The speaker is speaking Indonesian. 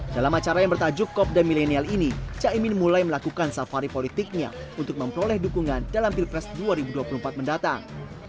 dalam acara yang bertajuk kopda milenial ini caimin mulai melakukan safari politiknya untuk memperoleh dukungan dalam pilpres dua ribu dua puluh empat mendatang